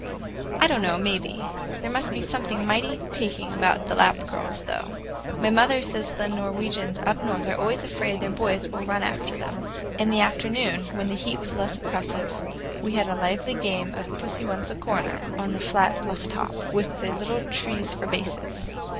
"I don't know, maybe. There must be something mighty taking about the Lapp girls, though; mother says the Norwegians up north are always afraid their boys will run after them." In the afternoon, when the heat was less oppressive, we had a lively game of "Pussy Wants a Corner," on the flat bluff top, with the little trees for bases.